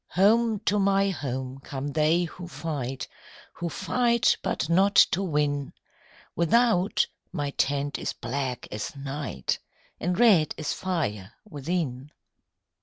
"Home to my home come they who fight, Who fight but not to win: Without, my tent is black as night, And red as fire within.